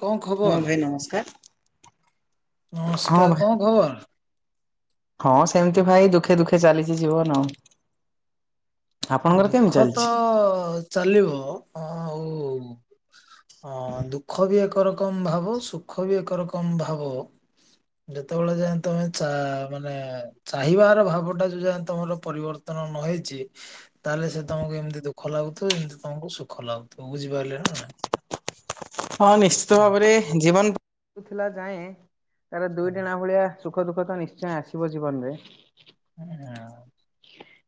କଣ ହଁ ଖବର? ଭାଇ ନମସ୍କାର। ହଁ ନମସ୍କାର ଭାଇ କଣ ଖବର? ହଁ ସେମିତି ଭାଇ ଦୁଃଖେ ଦୁଃଖେ ଚାଲିଛି ଜୀବନ ଆଉ। ଆପଣଙ୍କର କେମିତି ଦୁଃଖ ତ ଚାଲିଛି? ଚାଲିବ ଆଉ [inaudible] ହଁ ଦୁଃଖ ବି ଏକ ଏକରକମ ଭାବ ସୁଖ ବି ଏକରକମ ଭାବ। ଯେତେବେଳେ ଯାଏ ତମେ ଚା ମାନେ ଚାହିଁବାର ଭାବ ଟା ଯୋଉ ଯାଏ ତମର ପରିବର୍ତ୍ତନ ନ ହେଇଛି ତାହେଲେ ସେ ତମକୁ ଏମିତି ଦୁଖ ଲାଗୁ ତ ଏମିତି ତମକୁ ସୁଖ ଲାଗୁଥିବ ବୁଝିପାରିଲେ ନା। ହଁ [inaudible] ହଁ ନିଶ୍ଚିତ ଭାବରେ ଜୀବନ ଥିଲା ଯାଏଁ ତାର ଦୁଇଟଣା ହଁ ଭଳିଆ ସୁଖ ଦୁଃଖ ତ ନିଶ୍ଚୟ ଆସିବ ଜୀବନ ରେ ହଁ ହଁ [inaudible]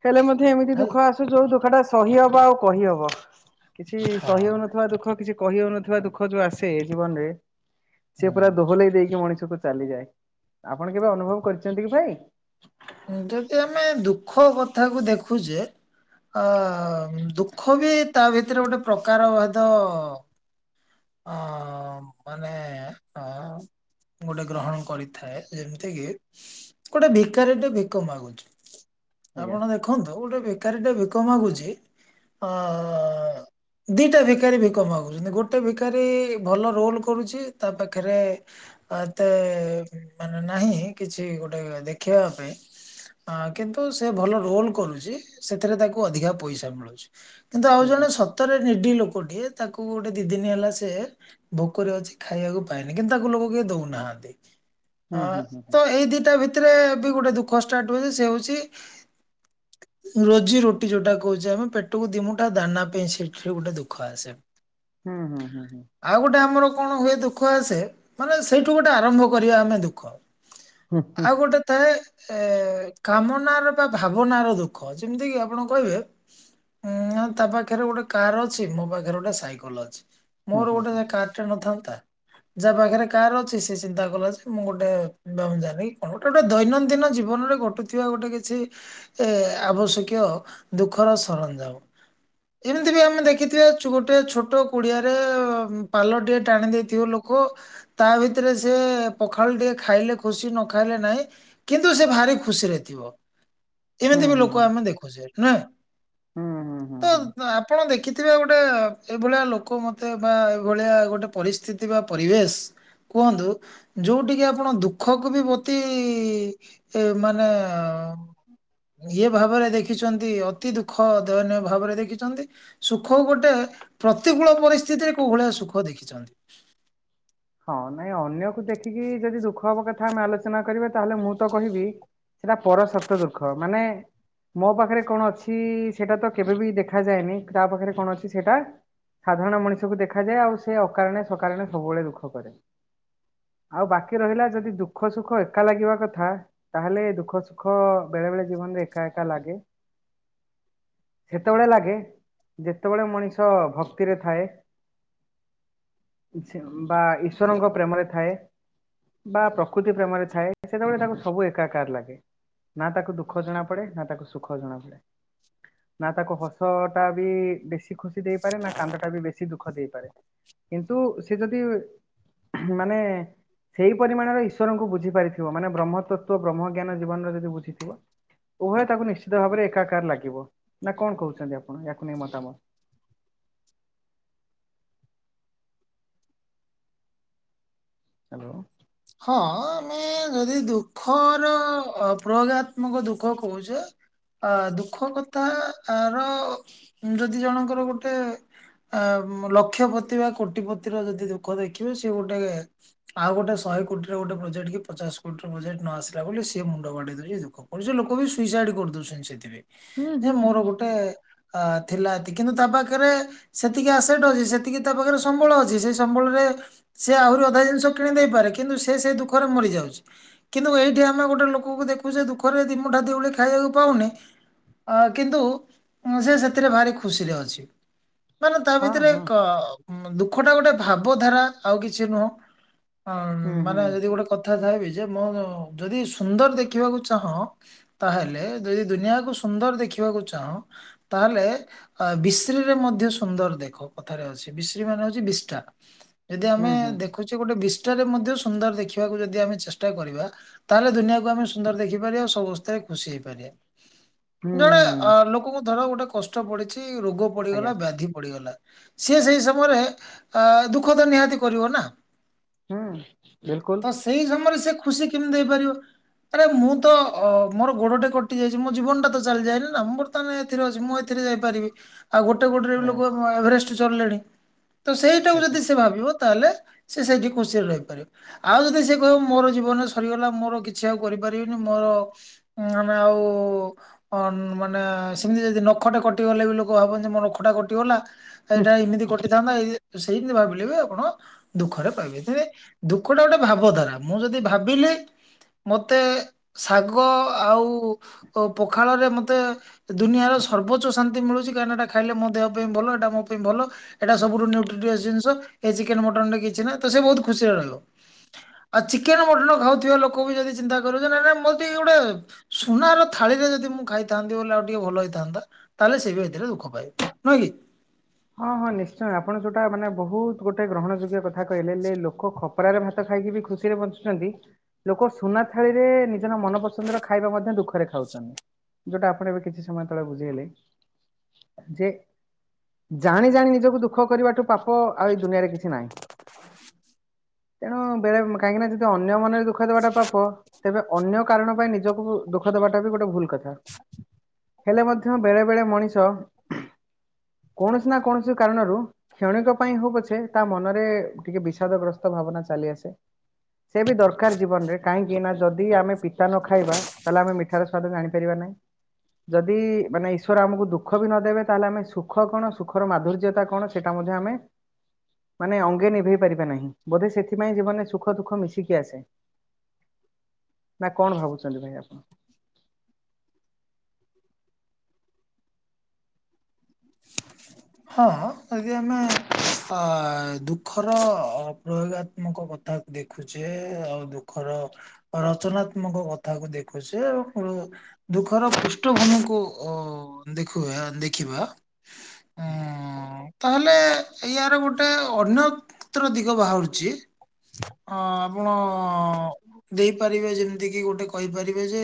ହେଲେ ମତେ ଏମିତି ଦୁଃଖ ଆସୁ ଯୋଉ ଦୁଖ ଟା ସହି ହବ ଆଉ କହିହବ। କିଛି ସହି ହଁ ହଉନଥିବା ଦୁଃଖ କିଛି କହି ହଉନଥିବା ଦୁଃଖ ଯୋଉ ଆସେ ଜୀବନରେ ସେ ହଁ ପୁରା ଦୋହଲେଇ ଦେଇକି ମଣିଷ କୁ ଚାଲିଯାଏ। ଆପଣ କେବେ ଅନୁଭବ କରିଛନ୍ତି କି ଭାଇ? ଯଦି ଆମେ ଦୁଃଖ କଥାକୁ ଦେଖୁଛେ ଅ ଦୁଃଖ ବି ତା ଭିତରେ ଗୋଟେ ପ୍ରକାର ଭେଦ ଅ ମାନେ ଅ ଗୋଟେ ଗ୍ରହଣ କରିଥାଏ। ଯେମିତି କିି ଗୋଟେ ଦି ଭୀକାରିଟେ ଭିକ ମାଗୁଛି ଆଜ୍ଞା ଆପଣ ଦେଖନ୍ତୁ ଗୋଟେ ଭିକାରୀଟେ ଭିକ ମାଗୁଛି ଆଁ ଦିଟା ଭିକାରୀ ଭିକ ମାଗୁଛନ୍ତି ଗୋଟେ ଭିକାରୀ ଭଲ ରୋଲ କରୁଛି ତା ପାଖରେ ଏତେ ମାନେ ନାହିଁ କିଛି ଗୋଟେ ଦେ ଦେଖୀବା ପାଇଁ କିନ୍ତୁ ସେ ଭଲ ରୋଲ କରୁଛି ସେଥିରେ ତାକୁ ଅଧିକା ପଇସା ମିଳୁଛି। କିନ୍ତୁ ଆଉ ଆଜ୍ଞା ଜଣେ ସତରେ ନିଡି ଲୋକଟିଏ ତାକୁ ଗୋଟେ ଦି ଦିନ ହେଲା ସେ ଭୋକରେ ଅଛି ଖାଇବାକୁ ପାଈନି କିନ୍ତୁ ତାକୁ ଲୋକ କିଏ ଦଉନାହାନ୍ତି। ହୁଁ ହଁ ହୁଁ ହୁଁ ତ ଏଇ ଦିଟା ଭିତରେ ଏବେ ଗୋଟେ ଦୁଃଖ ଷ୍ଟାର୍ଟ୍ ହୁଏ ସେ ହଉଛି ରୋଜି ରୋଟି ଯୋଉଟା କହୁଛି ଆମେ ପେଟକୁ ଦିମୁଟା ଦାନା ପାଇଁ ସେଠି ଗୋଟେ ଦୁଃଖ ଆସେ। ହୁଁ ହୁଁ ହୁଁ ହୁଁ ଆଉ ଗୋଟେ ଆମର କଣ ହୁଏ ଦୁଃ ଦୁଃଖ ଆସେ ମାନେ ସେଇଠୁ ଗୋଟେ ଆରମ୍ଭ କରିବା ଆମେ ଦୁଃଖ। ହୁଁ ହୁଁ ଆଉ ଗୋଟେ ଥାଏ ଏ କାମନାର ବା ଭାବନାର ଦୁଃଖ ଯେମିତି କିି ଆପଣ କହିବେ ଉଁ ତା ପାଖରେ ଗୋଟେ କାର ଅଛି ମୋ ପାଖରେ ଗୋଟେ ସାଇକଲ ଅଛି। ହୁଁ ମୋର ହୁଁ ଗୋଟେ ଯେ କାରଟେ ନଥାନ୍ତା ଯାହା ପାଖରେ କାର ଅ ସେ ଚିନ୍ତା କଲା ଯେ ମୁଁ ଗୋଟେ ଦମ୍ ଜାନି [inaudible] ଗୋଟେ ଗୋଟେ ଦୈନନ୍ଦିନ ଜୀବନରେ ଘଟୁଥିବା ଗୋଟେ କିଛି ଆବଶ୍ୟକୀୟ ଦୁଃଖର ସରଞ୍ଜାମ ଏମିତି ବି ଆମେ ଦେଖିଥିବା ଚୋଟେ ଗୋଟେ ଛୋଟ କୁଡିଆରେ ପାଲ ଟିକେ ଟାଣି ଦେଇଥିବ ଲୋକ ତା ଭିତରେ ସେ ପଖାଳ ଟିକେ ଖାଇଲେ ଖୁସି ନ ନଖାଇଲେ ନାହିଁ କିନ୍ତୁ ସେ ଭାରି ଖୁସିରେ ଥିବ। ଏମିତି ହୁଁ ହୁଁ ବି ହୁଁ ଲୋକ ହୁଁ ଆମେ ଦେଖୁଛେ ନା ହୁଁ ହୁଁ ହୁଁ ତ ହୁଁ। ଆପଣ ଦେଖିଥିବେ ଗୋଟେ ଏଇଭଳିଆ ଲୋକ ମତେ ବା ଏଇଭଳିଆ ଗୋଟେ ପରିସ୍ଥିତି ବା ପରିବେଶ କୁହନ୍ତୁ ଯୋଉଠିକି ଆପଣ ଦୁଃଖକୁ ବି ଅତି ମାନେ ଇଏ ଭାବରେ ଦେଖିଛନ୍ତି ଅତି ଦୁଃଖ ଦୟନୀୟ ଭାବରେ ଦେଖିଛନ୍ତି ସୁଖ ଗୋଟେ ପ୍ରତିକୂଳ ପରିସ୍ଥିତିରେ କୋଉ ଭଳିଆ ସୁଖ ଦେଖିଛନ୍ତି। ହଁ ନାଇଁ ଅନ୍ୟକୁ ଦେଖିକି ଯଦି ଦୁଃଖ ହବା କଥା ଆମେ ଆଲୋଚନା କରିବା ତାହେଲେ ମୁଁ ତ କହିବି ସେଇଟା ପର ସପ୍ତ ଦୁଃଖ ମାନେ ମୋ ପାଖରେ କଣ ଅଛି ସେଇଟା ତ କେବେ ବିି ଦେଖାଯାଏନି ତା ପାଖରେ କଣ ଅଛି ସେଇଟା ସାଧାରଣ ମଣିଷକୁ ଦେଖାଯାଏ ଆଉ ସେ ଅକାରଣେ ସକାରଣେ ସବୁବେଳେ ଦୁଃଖ। ଆଉ ବାକି ରହିଲା ଯଦି ଦୁଃଖ ସୁଖ ଏକା ଲାଗିବା କଥା ତାହେଲେ ଦୁଃଖ ସୁଖ ବେଳେ ବେଳେ ଜୀବନରେ ଏକା ଏକା ଲାଗେ ସେତେବେଳେ ଲାଗେ ଯେତେବେଳେ ମଣିଷ ଭକ୍ତିରେ ଥାଏ ବା ଈଶ୍ୱରଙ୍କ ପ୍ରେମରେ ଥାଏ ବା ପ୍ରକୃତି ପ୍ରେମରେ ଥାଏ ସେତେବେଳେ ତାକୁ ସବୁ ଏକାକାର ଲାଗେ ନା ତାକୁ ଦୁଃଖ ଜଣାପଡ଼େ ନା ତାକୁ ସୁଖ ଜଣାପଡ଼େ ନା ତାକୁ ହସଟା ବି ବେଶୀ ଖୁସି ଦେଇପାରେ ନା କାନ୍ଦଟା ବି ବେଶୀ ଦୁଃଖ ଦେଇପାରେ କିନ୍ତୁ ସେ ଯଦି ମାନେ ସେଇ ପରିମାଣରେ ଈଶ୍ୱରଙ୍କୁ ବୁଝି ପାରିଥିବ ମାନେ ବ୍ରହ୍ମ ତତ୍ତ୍ଵ ବ୍ରହ୍ମଜ୍ଞାନ ଜୀବନର ଯଦି ବୁଝିଥିବ ଉଭୟ ତାକୁ ନିଶ୍ଚିତ ଭାବରେ ଏକାକାର ଲାଗିବ ନା କଣ କହୁଛନ୍ତି ଆପଣ ୟାକୁ ନେଇ ମତାମତ। ହ୍ୟାଲୋ ହଁ ଆମେ ଯଦି ଦୁଃଖର ପ୍ରୟୋଗାତ୍ମକ ଦୁଃଖ କହୁଛେ ଅ ଦୁଃଖ କଥା ଆ ର ଯଦି ଜଣଙ୍କର ଗୋଟେ ଅ ଲକ୍ଷପତି ବା କୋଟିପତିର ଯଦି ଦୁଃଖ ଦେଖିବେ ସେଏ ଗୋଟେ ଆଉ ଗୋଟେ ଶହେ କୋଟିର ଗୋଟେ ପ୍ରୋଜେଟ କି ପଚା କୋଟି ର ପ୍ରୋଜେକ୍ଟ ନ ଆସିଲା ବୋଲି ସେ ମୁଣ୍ଡ ବାଢେଇ ଦଉଛି ଦୁଃଖ କରୁଛି। ଲୋକ ବି ସୁଇସାଇଡ୍ କରି ଦଉଛନ୍ତି ସେଥିପାଇଁ ହୁଁ ଯେ ହୁଁ ମୋର ହୁଁ ହୁଁ। ଗୋଟେ ଅ ଥିଲା କିନ୍ତୁ ତା ପାଖରେ ସେତିକି ଆସେଟ ଅଛି ସେତିକି ତା ପାଖରେ ସମ୍ବଳ ଅଛି ସେଇ ସମ୍ବଳରେ ସିଏ ଆହୁରି ଅଧା ଜିନିଷ କିଣି ଦେଇପାରେ କି କିନ୍ତୁ ସେ ସେ ଦୁଃଖରେ ମରିଯାଉଛି କିନ୍ତୁ ଏଇଠି ଆମେ ଗୋଟେ ଲୋକଙ୍କୁ ଦେଖୁଛ ଦୁଃଖରେ ଦି ମୁଠା ଦିଉଳି ଖାଇବାକୁ ପାଉନି କିନ୍ତୁ ସେ ସେଥିରେ ଭାରି ଖୁସିରେ ଅଛି। ମାନେ ତା ହଁ ଭିତରେ ହଁ ଏକ ଦୁଃଖଟା ଗୋଟେ ଭାବଧାରା ଆଉ କିଛି ନୁହଁ। ହୁଁ ହୁଁ ମାନେ ଯଦି ଗୋଟେ କଥାବି ଯେ ମୁଁ ଯଦି ସୁନ୍ଦର ଦେଖିବାକୁ ଚାହଁ ତାହେଲେ ଯଦି ଦୁନିଆକୁ ସୁନ୍ଦର ଦେଖିବାକୁ ଚାହଁ ତାହେଲେ ବିଶ୍ରୀରେ ମଧ୍ୟ ସୁନ୍ଦର ଦେଖ କଥାରେ ଅଛି ବିଶ୍ରୀ ମାନେ ଅଉଛି ବିଷ୍ଟା। ଯଦି ଆମେ ହୁଁ ହୁଁ ଦେଖୁଛେ ଗୋଟେ ବି ଷ୍ଠା ରେ ମଧ୍ୟ ସୁନ୍ଦର ଦେଖିବାକୁ ଯଦି ଆମେ ଚେଷ୍ଟା କରିବା ତାହେଲେ ଦୁନିଆକୁ ଆମେ ସୁନ୍ଦର ଦେଖିପାରିବା ଆଉ ସବୁ ସମସ୍ତରେ ଖୁସି ହେଇପାରିବା। ଜଣେ ଅ ହୁଁ ଲୋକଙ୍କୁ ଧର ଗୋଟେ କଷ୍ଟ ପଡିଛି ଏଇ ରୋଗ ଆଜ୍ଞା ପଡିଗଲା ବ୍ୟାଧି ପଡିଗଲା ସିଏ ସେଇ ସମୟରେ ଦୁଃଖ ତ ନିହାତି କରିବ ନା। ହୁଁ ବିଲକୁଲ ତ ସେଇ ସମୟରେ ସେ ଖୁସି କେମିତି ଦେଇପାରିବ ଆରେ ମୁଁ ତ ଅ ମୋର ଗୋଡଟେ କଟି ଯାଇଛି ମୋ ଜୀବନ ଟା ତ ଚାଲିଯାଇନି ନା ବର୍ତ୍ତମାନ ଏଥିରେ ଅଛି ମୁଁ ଏଥିରେ ଯାଇପାରିବି। ଆଉ ଗୋଟେ ଗୋଟରେ ବି ଆଜ୍ଞା ଲୋକ ଏଭରେଷ୍ଟ ଚଢିଲେନି। ତ ସେଇଟାକୁ ଆଜ୍ଞା। ଯଦି ସେ ଭାବିବ ତାହେଲେ ସେ [unintelligible] ଖୁସିରେ ରହିପାରିବ ଆଉ ଯଦି ସେ କହିବ ମୋର ଜୀବନରେ ସରିଗଲା ମୋର କିଛି ଆଉ କରିପାରିବିନି ମୋର ଆମେ ଆଉ ଅ ମାନେ ସେମିତି ଯଦି ନଖଟେ କଟିଗଲେ ବି ଲୋକ ଭାବନ୍ତି ମୋ ନଖଟା କଟିଗଲା। ଏଇଟା ଏମିତି କଟିଥାନ୍ତା ଏଇ ସେଇତି ଭାବିଲେ ବି ଆପଣ ଦୁଃଖରେ ପାଇବେ। ଥୀରେ ଦୁଃଖ ଟା ଗୋଟେ ଭାବଧାରା ମୁଁ ଯଦି ଭାବିଲି ମତେ ଶାଗ ଆଉ ପଖାଳରେ ମତେ ଦୁନିଆର ସର୍ବୋଚ୍ଚ ଶାନ୍ତି ମିଳୁଚି କାରଣ ଏଟା ଖାଇଲେ ମୋ ଦେହ ପାଇଁ ଭଲ ଏଟା ମୋ ପାଇଁ ଭଲ ଏଇଟା ସବୁଠୁ ନ୍ୟୁଟ୍ରି [unintelligible] ଜିନିଷ ଏ ଚିକେନ ମଟନ ରେ କିଛି ନାଇଁ। ତ ସେ ବହୁତ ଖୁସିରେ ରହିବ ଆଉ ଚିକେନ ମଟନ ଖାଉଥିବା ଲୋକ ବି ଯଦି ଚିନ୍ତା କରିବ ଯେ ନାଇଁ ନାଇଁ ମୋତେ ଏଇ ଗୁଡା ସୁନାର ଥାଳିରେ ଯଦି ମୁଁ ଖାଇଥାନ୍ତି। ବୋଲି ଆଉ ଟିକେ ଭଲ ହେଇଥାନ୍ତା ତାହେଲେ ସେ ବି ଏଥିରେ ଦୁଃଖ ପାଇ ନୁହେଁ କି ହଁ ହଁ ନିଶ୍ଚୟ ଆପଣ ଯୋଉଟା ମାନେ ବହୁତ ଗୋଟେ ଗ୍ରହଣ ଯୋଗ୍ୟ କଥା କହିଲେ ହେ ଲୋକ ଖପରାରେ ଭାତ ଖାଇକି ବି ଖୁସିରେ ବଞ୍ଚୁଛନ୍ତି ଲୋକ ସୁନା ଥାଳିରେ ନିଜର ମନପସନ୍ଦର ଖାଇବା ମଧ୍ୟ ଦୁଃଖରେ ଖାଉଚନ୍ତି ଯୋଉଟା ଆପଣ ଏବେ କିଛି ସମୟ ତଳେ ବୁଝେଇଲେ ଯେ ଜାଣି ଜାଣି ନିଜକୁ ଦୁଃଖ କରିବାଠୁ ପାପ ଆଉ ଏଇ ଦୁନିଆରେ କିଛି ନାହିଁ। ତେଣୁ ବେଳେ କାହିଁକିନା ଯଦି ଅନ୍ୟ ମାନରେ ଦୁ ଦୁଃଖଟା ପାପ ତେବେ ଅନ୍ୟ କାରଣ ପାଇଁ ନିଜକୁ ଦୁଃଖ ଦେବାଟା ବି ଗୋଟେ ଭୁଲ କଥା। ହେଲେ ମଧ୍ୟ ବେଳେବେଳେ ମଣିଷ କୌଣସି ନା କୌଣସି କାରଣରୁ କ୍ଷଣିଙ୍କ ପାଇଁ ହଉ ପଛେ ତା ମନରେ ଟିକେ ବିଷାଦଗ୍ରସ୍ତ ଭାବନା ଚାଲି ଆସେ। ସେ ବି ଦରକାର ଜୀବନରେ କାହିଁକି ନା ଯଦି ଆମେ ପିତା ନ ଖାଇବା ତାହେଲେ ଆମେ ମିଠାର ସ୍ଵାଦ ଜାଣିପାରିବା ନାହିଁ। ଯଦି ମାନେ ଈଶ୍ୱର ଆମକୁ ଦୁଃଖ ବି ନ ଦେବେ ତାହେଲେ ଆମେ ସୁ ସୁଖ କଣ ସୁଖର ମାଧୁର୍ଯ୍ୟତା କଣ ସେଟା ମଧ୍ୟ ଆମେ ମାନେ ଅଙ୍ଗେ ନିଭେଇ ପାରିବା ନାହିଁ। ବୋଧେ ସେଥିପାଇଁ ଜୀବନରେ ସୁଖ ଦୁଃଖ ମିଶିକି ଆସେ। ନା କଣ ଭାବୁଚନ୍ତି ଭାଇ ଆପଣ? ହଁ ଯଦି ଆମେ ଆ ଦୁଃଖର ପ୍ରୟୋଗାତ୍ମକ କଥାକୁ ଦେଖୁଛେ ଆଉ ଦୁଃଖର ରଚନାତ୍ମକ କଥାକୁ ଦେଖୁଚେ ଏବଂ ଦୁଃଖର ପୃଷ୍ଠଭୂମିକୁ ଦେଖୁ ଦେଖିବା। ଉଁ ତାହେଲେ ୟାର ଗୋଟେ ଅନ୍ୟତ୍ର ଦିଗ ବାହାରୁଚି। ଅ ଆପଣ ଦେଇପାରିବେ ଯେମିତିକି ଗୋଟେ କହିପାରିବେ ଯେ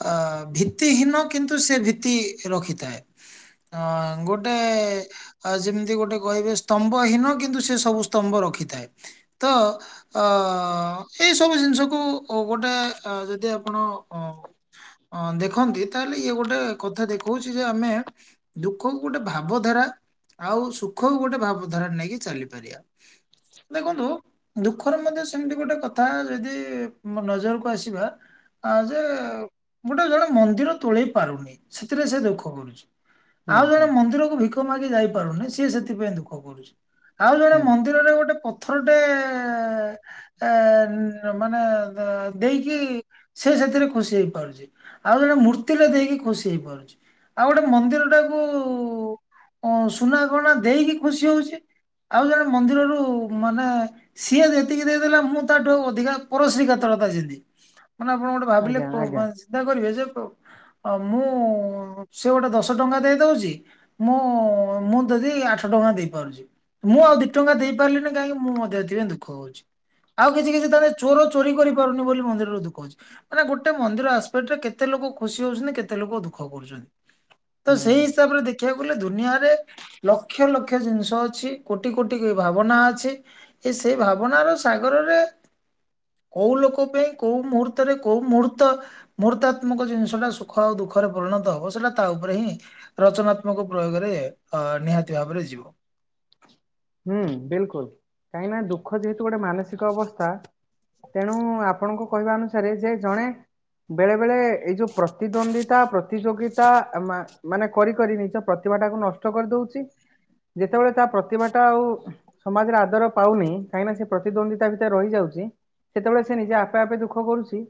ଅ ଭିତ୍ତିହୀନ କିନ୍ତୁ ସେ ଭିତ୍ତି ରଖିଥାଏ। ଅ ଗୋ ଟେ ଯେମିତି ଗୋଟେ କହିବେ ସ୍ତମ୍ଭ ହୀନ କିନ୍ତୁ ସେ ସବୁ ସ୍ତମ୍ଭ ରଖିଥାଏ। ତ ଅ ଏଇସବୁ ଜିନିଷକୁ ଗୋଟେ ଯଦି ଆପଣ ଦେଖନ୍ତି। ତାହେଲେ ଇଏ ଗୋଟେ କଥା ଦେଖଉଛି ଯେ ଆମେ ଦୁଃଖକୁ ଗୋଟେ ଭାବଧାରା ଆଉ ସୁଖକୁ ଗୋଟେ ଭାବଧାରା ନେଇକି ଚାଲିପାରିବା। ଦେଖନ୍ତୁ ଦୁଃଖର ମଧ୍ୟ ସେମିତି ଗୋଟେ କଥା ଯଦି ନଜରକୁ ଆସିବା ଯେ ଗୋଟେ ଜଣେ ମନ୍ଦିର ତୋଳେଇ ପାରୁନି ସେଥିରେ ସେ ଦୁଃଖ କରୁଛି। ଆଉ ହୁଁ। ଜଣେ ହୁଁ ମନ୍ଦିରକୁ ଭିକ ମାଗି ଯାଇ ପାରୁନି। ସିଏ ସେଥିପାଇଁ ଦୁଃଖ କରୁଚି। ଆଉ ଜଣେ ହୁଁ ମନ୍ଦିରରେ ଗୋଟେ ଥରଟେ ଏ ମାନେ ଦେଇକି ସେ ସେଥିରେ ଖୁସି ହେଇପାରୁଚି ଆଉ ଜଣେ ମୂର୍ତ୍ତିରେ ଦେଇକି ଖୁସି ହେଇପାରୁଚି ଆଉ ଗୋଟେ ମନ୍ଦିରଟା କୁ ସୁନାଗଣା ଦେଇକି ଖୁସି ହଉଚି ଆଉ ଜଣେ ମନ୍ଦିରରୁ ମାନେ ସିଏ ଯେତିକି ଦେଇଦେଲେ ମୁଁ ତାଠୁ ଅଧିକା ପରଶ୍ରୀ କାତରତା ଯେମିତି ମାନେ ଆପଣ ଗୋଟେ ଭାବିଲେ ଆଜ୍ଞା କୋ-କ ଆଜ୍ଞା ଚିନ୍ତା କରିବେ ଯେ ମୁଁ ସେ ଗୋଟେ ଦଶ ଟଙ୍କା ଦେଇ ଦଉଚି ମୁଁ ମୁଁ ଯଦି ଆଠ ଟଙ୍କା ଦେଇପାରୁଚି ମୁଁ ଆଉ ଦି ଟଙ୍କା ଦେଇପାରିଲିନି କାହିଁକି ମୁଁ ମଧ୍ୟ ଏଥିପାଇଁ ଦୁଃଖ ହଉଚି ଆଉ କିଛି କିଛି ତାହେଲେ ଚୋର ଚୋରି କରିପାରୁନି ବୋଲି ମନ୍ଦିରରୁ ଦୁଃଖ ହଉଚି ମାନେ ଗୋଟେ ମନ୍ଦିର ଆସ୍ ପେଟରେ କେତେ ଲୋକ ଖୁସି ହଉଚନ୍ତି କେତେ ଲୋକ ଦୁଃଖ କରୁଚନ୍ତି। ହୁଁ। ବରେ ଦେଖିବାକୁ ଗଲେ ଦୁନିଆରେ ଲକ୍ଷ ଲକ୍ଷ ଜିନିଷ ଅଛି କୋଟି କୋଟି ଭାବନା ଅଛି ଏ ସେଇ ଭାବନାର ସାଗରରେ କୋଉ ଲୋକ ପାଇଁ କୋଉ ମୁହୂର୍ତ୍ତରେ କୋଉ ମୁହୂର୍ତ୍ତ ମୁହର୍ତ୍ତାତ୍ମକ ଜିନିଷ ଟା ସୁଖ ଆଉ ଦୁଃଖରେ ପରିଣତ ହବ ସେଟା ତା ଉପରେ ହିଁ ରଚନାତ୍ମକ ପ୍ରୟୋଗରେ ନିହାତି ଭାବରେ ଯିବ। ହୁଁ ବିଲକୁଲ କାହିଁକି ନା ଦୁଃଖ ଯେହେତୁ ଗୋଟେ ମାନସିକ ଅବସ୍ଥା ତେଣୁ ଆପଣଙ୍କ କହିବା ଅନୁସାରେ ଯେ ଜଣେ ବେଳେ ବେଳେ ଏଇ ଯୋଉ ପ୍ରତିଦ୍ୱନ୍ଦିତା ପ୍ରତିଯୋଗିତା ମା-ମାନେ କରି କରି ନିଜ ପ୍ରତିଭା ଟାକୁ ନଷ୍ଟ କରିଦଉଚି ଯେତେବେଳେ ତା ପ୍ରତି ତାଉ ସମାଜରେ ଆଦର ପାଉନି କାହିଁକିନା ସେ ପ୍ରତିଦ୍ୱନ୍ଦିତା ଭିତରେ ରହିଯାଉଚି ସେତେବେଳେ ସେ ନିଜେ ଆପେ ଆପେ ଦୁଃଖ କରୁଛି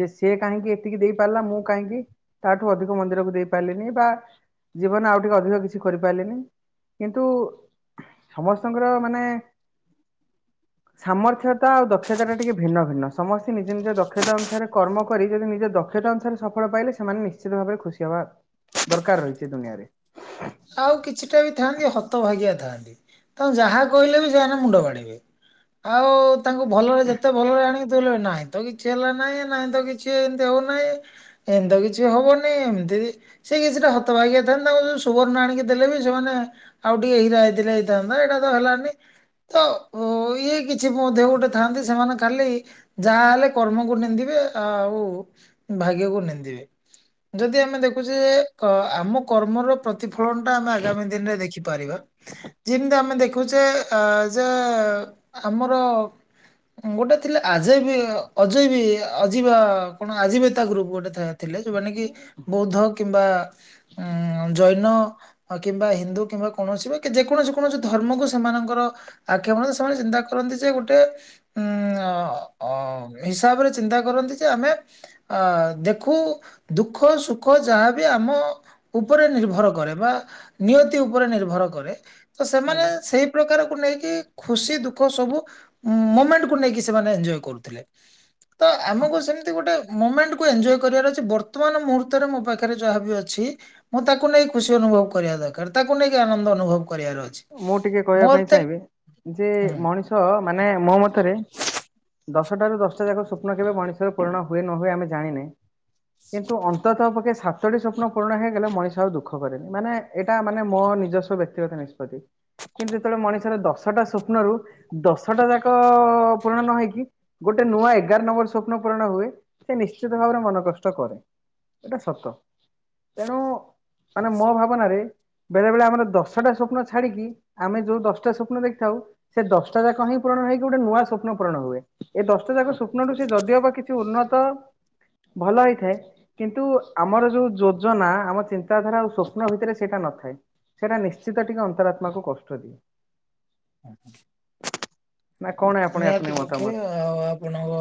ଯେ ସେ କାହିଁକି ଏତିକି ଦେଇପାରିଲା ମୁଁ କାହିଁକି ତାଠୁ ଅଧିକ ମନ୍ଦିରକୁ ଦେଇପାରିଲିନି ବା ଜୀବନ ଆଉ ଟିକେ ଅଧିକ କିଛି କରିପାରିଲିନି କିନ୍ତୁ ସମସ୍ତଙ୍କର ମାନେ ସାମର୍ଥ୍ୟତା ଆଉ ଦକ୍ଷତା ଟା ଟିକେ ଭିନ୍ନ ଭିନ୍ନ। ସମସ୍ତେ ନିଜ ନିଜ ଦକ୍ଷତା ଅନୁସାରେ କର୍ମ କରି ଯଦି ନିଜ ଦକ୍ଷତା ଅନୁସାରେ ସଫଳ ପାଇଲେ ସେମାନେ ନିଶ୍ଚିତ ଭାବରେ ଖୁସି ହବା ଦରକାର ରହିଛି ଦୁନିଆରେ। ଆଉ କିଛିଟା ବି ଥାନ୍ତି ହତ ଭାଗଆ ଥାଆନ୍ତି ତାଙ୍କୁ ଯାହା କହିଲେ ବି ସେମାନେ ମୁଣ୍ଡ ବାଡ଼ିବେ ଆଉ ତାଙ୍କୁ ଭଲରେ ଯେତେ ଭଲରେ ଆଣିକି ଦେଉଲେ ନାହିଁ ତ କିଛି ହେଲା ନାହିଁ ନହିଁ ତ କିଛି ଏମତି ହଉନାହିଁ ଏମିତି କିଛି ହବନି ଏମିତି ସେ କିଛିଟା ହତ ଭାଗିଆ ଥାନ୍ତି ତାଙ୍କୁ ଯ ସୁବର୍ଣ୍ଣ ଆଣିକି ଦେଲେ ବି ସେମାନେ ଆଉ ଟିକେ ହୀରା ହେଇଥିଲେ ହେଇଥାନ୍ତା ଏଇଟା ତ ହେଲାନି ତ ଇଏ କିଛି ମଧ୍ୟ ଗୋଟେ ଥାଆନ୍ତି ସେମାନେ ଖାଲି ଯାହା ହେଲେ କର୍ମକୁ ନିନ୍ଦିବେ ଆଉ ଭାଗ୍ୟକୁ ନିନ୍ଦିବେ ଯଦି ଆମେ ଦେଖୁଛେ ଯେ ଆମ କର୍ମର ପ୍ରତିଫଳନଟା ଆମେ ଆଗାମୀ ଦିନରେ ଦେଖିପାରିବା ଯେମିତି ଆମେ ଦେଖୁଚେ ଯେ ଆମର ଗୋଟେ ଥିଲେ ଆଜେବି ଅଜୟବି ଅଜବା କଣ ଆଜୀବ ତା ଗ୍ରୁପ ଗୋଟେ ଥାଏ। ଥିଲେ ଯୋଉମାନେ କି ବୌଦ୍ଧ କିମ୍ବା ଉ ଜୈନ କିମ୍ବା ହିନ୍ଦୁ କିମ୍ବା କୌଣସି ବି ଯେକୌଣସି କୌଣସି ଧର୍ମକୁ ସେମାନଙ୍କର ଆକ୍ଷେପଣ ସେମାନେ ଚିନ୍ତା କରନ୍ତି ଯେ ଗୋଟେ ଉ ହିସାବରେ ଚିନ୍ତା କରନ୍ତି ଯେ ଆମେ ଅ ଦେଖୁ ଦୁଃଖ ସୁଖ ଯାହାବି ଆମ ଉପରେ ନିର୍ଭର କରେ ବା ନିୟତି ଉପରେ ନିର୍ଭର କରେ। ତ ସେମାନେ ଆଜ୍ଞା। ସେଇ ପ୍ରକାରକୁ ନେଇକି ଖୁସି ଦୁଃଖ ସବୁ ମୁମେଣ୍ଟ କୁ ନେଇକି ସେମାନେ ଏଞ୍ଜୟ କରୁଥିଲେ ତ ଆମକୁ ସେମିତି ଗୋଟେ ମୁମେଣ୍ଟ କ ଏଞ୍ଜୟ କରିବାର ଅଛି ବର୍ତ୍ତମାନ ମୁହୂର୍ତ୍ତରେ ମୋ ପାଖରେ ଯାହାବି ଅଛି। ମୁଁ ତାକୁ ନେଇ ଖୁସି ଅନୁଭବ କରିବା ଦରକାର ତାକୁ ନେଇକି ଆନନ୍ଦ ଅନୁଭବ କରିବାର ଅଛି ମୁଁ ଟିକେ କହିବା ପାଇଁ ମତେ ଚାହିଁବି ଯେ ହୁଁ ମଣିଷ ମାନେ ମୋ ମତରେ ଦଶଟାରୁ ଦଶଟା ଯାକ ସ୍ୱପ୍ନ କେବେ ମଣିଷର ପୂରଣ ହୁଏ ନ ହୁଏ ଆମେ ଜାଣିନେ। କିନ୍ତୁ ଅନ୍ତତଃ ପକେ ସାତ ଚତୋଟି ସ୍ୱପ୍ନ ପୂରଣ ହେଇଗଲେ ମଣିଷ ଆଉ ଦୁଃଖରେନି ମାନେ ଏଇଟା ମାନ ମୋ ନିଜସ୍ୱ ବ୍ୟକ୍ତିଗତ ନିଷ୍ପତ୍ତି। କିନ୍ତୁ ଯେତେବେଳେ ମଣିଷର ଦଶଟା ସ୍ୱପ୍ନରୁ ଦଶଟା ଯାକ ପୂରଣ ନ ହେଇକି ଗୋଟେ ନୂଆ ଏଗାର ନମ୍ବର ସ୍ୱପ୍ନ ପୂରଣ ହୁଏ ସେ ନିଶ୍ଚିତ ଭାବରେ ମନ କଷ୍ଟ କରେ ଏଇଟା ସତ ତେଣୁ ମାନେ ମୋ ଭାବନାରେ ବେଳେ ବେଳେ ଆମର ଦଶଟା ସ୍ୱପ୍ନ ଛାଡିକି ଆମେ ଯୋ ଦଶଟା ସ୍ୱପ୍ନ ଦେଖଥାଉ ସେ ଦଶଟା ଯାକ ହିଁ ପୂରଣ ହେଇକି ଗୋଟେ ନୂଆ ସ୍ୱପ୍ନ ପୂରଣ ହୁଏ ଏ ଦଶଟା ଯାକ ସ୍ୱପ୍ନୁ ସେ ଯଦିଓବା କି ଉନ୍ନତ ଭଲ ହେଇଥାଏ କିନ୍ତୁ ଆମର ଯୋଉ ଯୋଜନା ଆମ ଚିନ୍ତାଧାରା ଆଉ ସ୍ୱପ୍ନ ଭିତରେ ସେଇଟା ନଥାଏ। ସେଇଟା ନିଶ୍ଚିତ ଟିକେ ଅ ଆତ୍ମା କୁ କଷ୍ଟ ଦିଏ। ନା କଣ ଆପଣ ୟାକୁ ନେଇ ନିହାତି ପକ୍ଷେ ମତାମତ ଆଉ ଆପଣଙ୍କ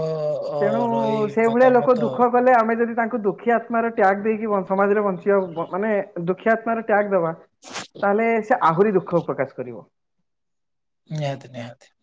ଅ ତେଣୁ ରହି ସେଇଭଳିଆ ଲୋକ ମତାମତ ଦୁଃଖ କଲେ ଆମେ ଯଦି ତାଙ୍କୁ ଦୁଃଖୀ ଆତ୍ମାର ତ୍ୟାଗ ଦେଇକି ସମାଜରେ ବଞ୍ଚିବା ମାନେ ଦୁଃଖୀ ଆତ୍ମାର ତ୍ୟାଗ ଦବା ତାହେଲେ ସେ ଆହୁରି ଦୁଃଖ ପ୍ରକାଶ କରିବ। ନିହାତି ନିହାତି।